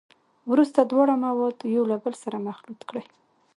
وروسته دواړه مواد یو له بل سره مخلوط کړئ.